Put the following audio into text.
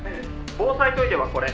「防災トイレはこれ」